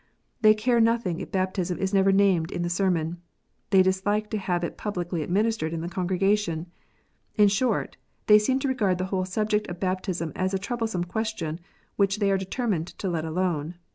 They care nothing if baptism is never named in the sermon. They dislike to have it publicly administered in the congregation. In short, they seem to regard the whole subject of baptism as a troublesome question, which they are determined to let alone.